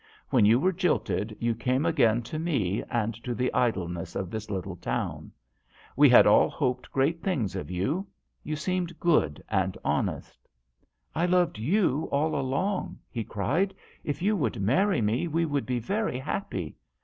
When you were jilted you came again to me and to the idleness of this little town. We had all hoped great things of you. You seemed good and honest." " I loved you all along," he cried. " If you would marry me we would be very happy.